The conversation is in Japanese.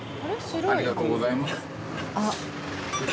ありがとうございます。